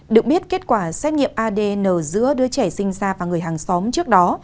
được biết kết quả xét nghiệm adn giữa đứa trẻ sinh ra và người hàng xóm trước đó